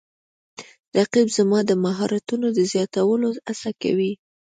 رقیب زما د مهارتونو د زیاتولو هڅه کوي